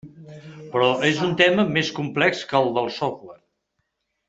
Però és un tema més complex que el del software.